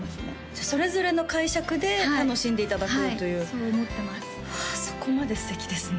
じゃあそれぞれの解釈で楽しんでいただこうというそう思ってますはあそこまで素敵ですね